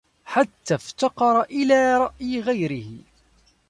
حَتَّى افْتَقَرَ إلَى رَأْيِ غَيْرِهِ